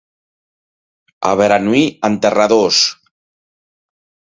A Beranui, enterradors.